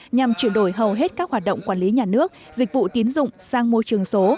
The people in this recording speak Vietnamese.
nhằm chuyển đổi hầu hết các hoạt động quản lý nhà nước dịch vụ tiến dụng sang môi trường số